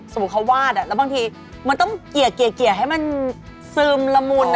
สมมุติเขาวาดแล้วบางทีมันต้องเกลี่ยให้มันซึมละมุน